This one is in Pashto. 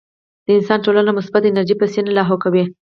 د انسان ټوله مثبت انرجي پۀ سين لاهو کوي -